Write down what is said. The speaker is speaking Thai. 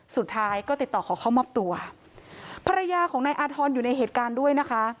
สุดท้ายก็ติดต่อขอเข้ามอบตัวภรรยาของนายอาธรณ์อยู่ในเหตุการณ์ด้วยนะคะ